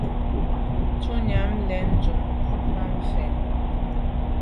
Shutnyàm lem ntùm njon dù’ fa fèn.